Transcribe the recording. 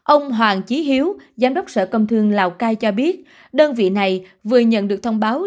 ông hoàng trí hiếu giám đốc sở công thương lào cai cho biết đơn vị này vừa nhận được thông báo